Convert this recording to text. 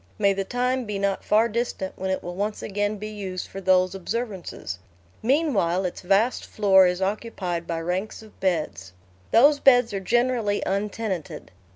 May the time be not far distant when it will once again be used for those observances! Meanwhile its vast floor is occupied by ranks of beds. Those beds are generally untenanted.